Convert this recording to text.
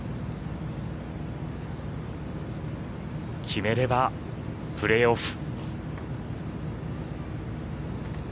決めればプレーオフ。